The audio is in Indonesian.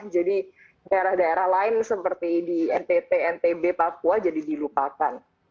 jadi daerah daerah lain seperti di ntt ntb papua jadi dilupakan